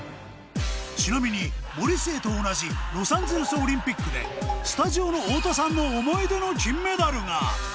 ちなみに森末と同じロサンゼルスオリンピックでスタジオの太田さんの思い出の金メダルが